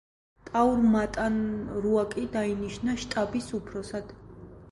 ტაურ მატან რუაკი დაინიშნა შტაბის უფროსად.